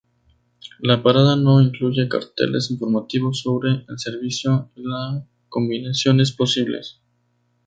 La parada no incluye carteles informativos sobre el servicio y la combinaciones posibles.